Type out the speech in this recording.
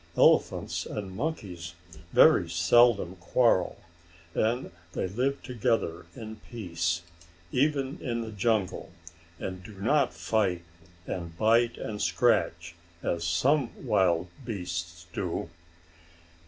Elephants and monkeys very seldom quarrel, and they live together in peace, even in the jungle, and do not fight, and bite and scratch, as some wild beasts do.